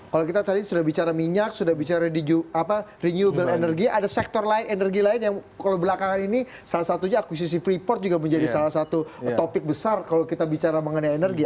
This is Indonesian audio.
kalau kita tadi sudah bicara minyak sudah bicara renewable energy ada sektor lain energi lain yang kalau belakangan ini salah satunya akuisisi freeport juga menjadi salah satu topik besar kalau kita bicara mengenai energi